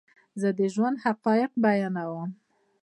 زه دژوند حقایق بیانوم